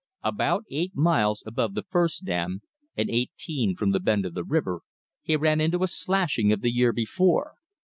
About eight miles above the first dam, and eighteen from the bend of the river, he ran into a "slashing" of the year before.